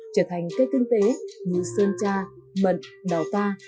trở thành cây kinh tế như sơn cha mận đào ta